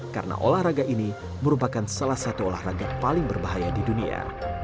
karena olahraga ini merupakan salah satu olahraga paling berbahaya di dunia